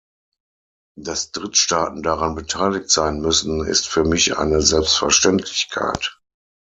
Dass Drittstaaten daran beteiligt sein müssen, ist für mich eine Selbstverständlichkeit.